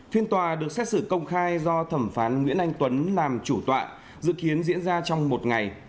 phiên tòa được xét xử công khai do thẩm phán nguyễn anh tuấn làm chủ tọa dự kiến diễn ra trong một ngày